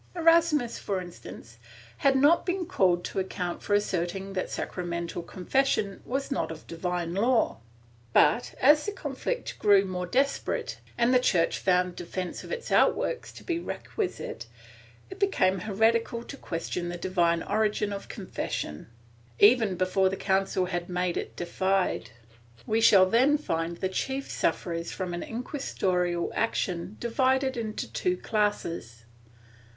Erasmus, for instance, had not been called to account for asserting that sacramental confession was not of divine law but, as the conflict grew more desperate, and the Church found defence of its outworks to be requisite, it became heretical to ques tion the divine origin of confession, even before the Council had made it de fide. We shall then find the chief sufferers from in quisitorial action divided into two classes.